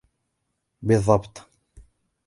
بالضبط!